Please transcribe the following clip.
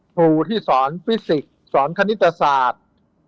ครูที่สอนฟิสิกส์สอนคณิตศาสตร์